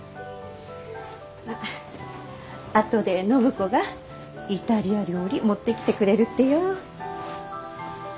あっ後で暢子がイタリア料理持ってきてくれるってよ。わ！